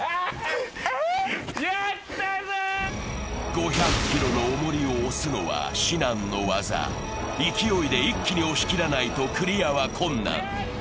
５００ｋｇの重りを押すのは至難の業勢いで一気に押し切らないとクリアは困難。